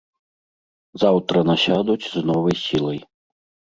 Заўтра насядуць з новай сілай.